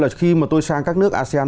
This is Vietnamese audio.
là khi mà tôi sang các nước asean